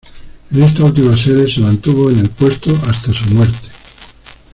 En esta última sede, se mantuvo en el puesto hasta su muerte.